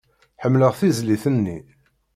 Ḥemmleɣ tizlit-nni.